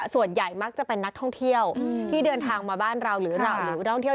ส่วนใหญ่มักจะเป็นนักท่องเที่ยวที่เดินทางมาบ้านเราหรือเราหรือท่องเที่ยว